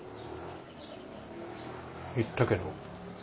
行ったけど。